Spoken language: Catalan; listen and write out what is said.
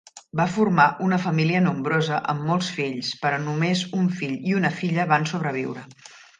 Va formar una família nombrosa amb molts fills, però només un fill i una filla van sobreviure.